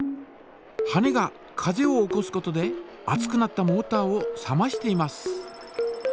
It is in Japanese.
羽根が風を起こすことで熱くなったモータを冷ましています。